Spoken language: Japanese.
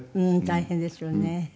大変ですよね。